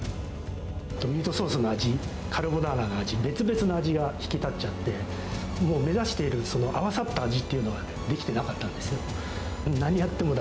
ミートソースの味、カルボナーラの味、別々の味が引き立っちゃって、もう目指している、その合わさった味というのが出来てなかったんですね。